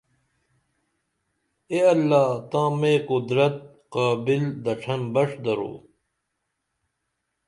اے اللہ تاں میں قدرت قابل دڇھن بݜ درو